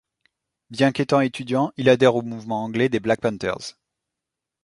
Bien qu'étant étudiant, il adhère au mouvement anglais des Black Panthers.